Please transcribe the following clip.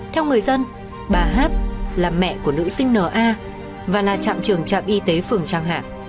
theo người dân bà hát là mẹ của nữ sinh na và là trạm trường trạm y tế phường trang hạ